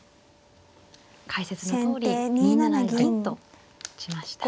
解説のとおり２七銀と打ちました。